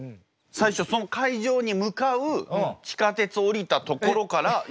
最初その会場に向かう地下鉄降りたところから一緒に。